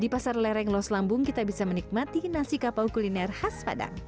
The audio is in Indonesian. di pasar lereng los lambung kita bisa menikmati nasi kapau kuliner khas padang